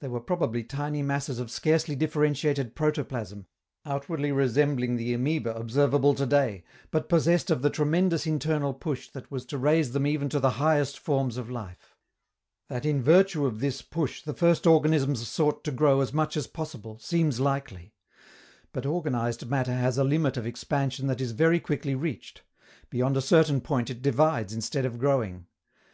They were probably tiny masses of scarcely differentiated protoplasm, outwardly resembling the amoeba observable to day, but possessed of the tremendous internal push that was to raise them even to the highest forms of life. That in virtue of this push the first organisms sought to grow as much as possible, seems likely. But organized matter has a limit of expansion that is very quickly reached; beyond a certain point it divides instead of growing.